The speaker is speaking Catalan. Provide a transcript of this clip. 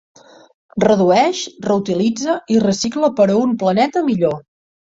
Redueix, reutilitza i recicla per a un planeta millor.